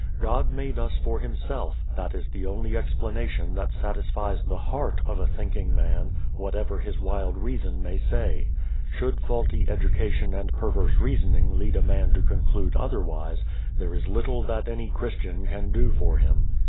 God made us for Himself: that is the only explanation that satisfies the heart of a thinking man, whatever his wild reason may say. Should faulty education and perverse reasoning lead a man to conclude otherwise, there is little that any Christian can do for him.